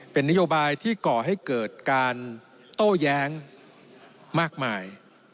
เป็นนโยบายที่ก่อให้เกิดการโต้แย้งมากมาย